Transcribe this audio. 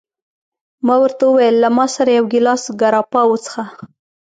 ما ورته وویل: له ما سره یو ګیلاس ګراپا وڅښه.